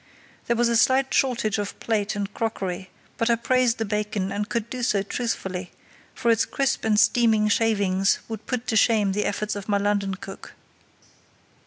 There was a slight shortage of plate and crockery, but I praised the bacon and could do so truthfully, for its crisp and steaming shavings would have put to shame the efforts of my London cook.